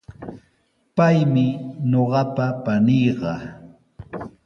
Paymi ñuqaqapa paniiqa.